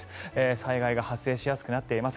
災害が発生しやすくなっています。